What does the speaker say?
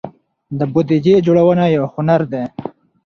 د بودیجې جوړونه یو هنر دی.